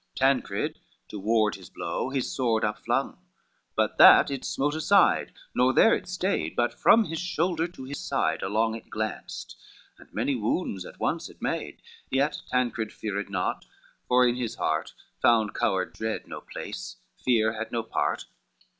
Tancred to ward his blow his sword up slung, But that it smote aside, nor there it stayed, But from his shoulder to his side along It glanced, and many wounds at once it made: Yet Tancred feared naught, for in his heart Found coward dread no place, fear had no part.